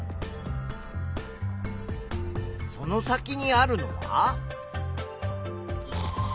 その先にあるのは。